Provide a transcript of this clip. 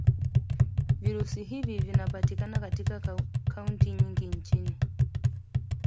Virusi hivi vinapatikana katika kaunti nyingi nchini